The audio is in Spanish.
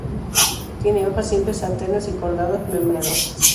Tiene hojas simples alternas y cordadas, membranosas.